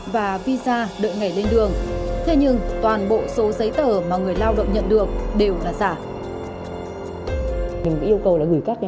và visa đợi ngày lên đường